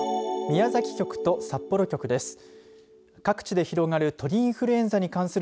宮崎局と札幌局です。